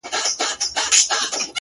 سیاه پوسي ده” ماسوم یې ژاړي”